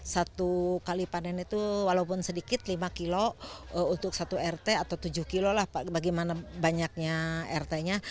satu kali panen itu walaupun sedikit lima kilo untuk satu rt atau tujuh kilo lah pak bagaimana banyaknya rt nya